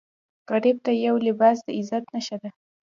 غریب ته یو لباس د عزت نښه ده